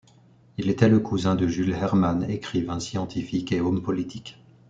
Il était le cousin de Jules Hermann, écrivain, scientifique et homme politique.